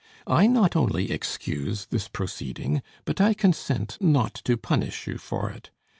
I not only excuse this proceeding, but I consent not to punish you for it.